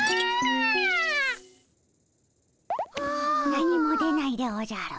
何も出ないでおじゃる。